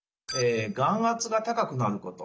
眼圧が高くなること。